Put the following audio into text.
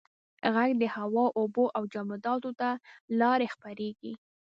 • ږغ د هوا، اوبو او جامداتو له لارې خپرېږي.